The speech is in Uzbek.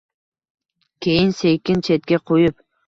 Keyin sekin chetga qo’yib